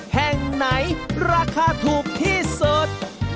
แห่งไหนราคาถูกที่สุด